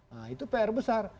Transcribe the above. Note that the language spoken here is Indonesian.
nah itu pr besar